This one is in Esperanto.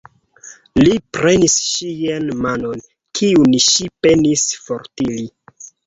Li prenis ŝian manon, kiun ŝi penis fortiri.